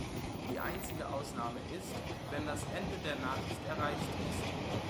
Die einzige Ausnahme ist, wenn das Ende der Nachricht erreicht ist.